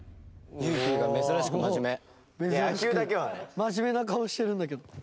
真面目な顔してるんだけど。